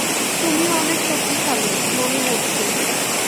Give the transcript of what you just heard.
তুমিও অনেক শক্তিশালী, মনে হচ্ছে।